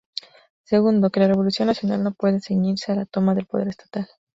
Segundo, que la revolución nacional no puede ceñirse a la toma del poder estatal.